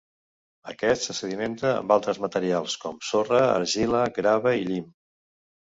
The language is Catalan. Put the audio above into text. Aquest se sedimenta amb altres materials, com sorra, argila, grava i llim.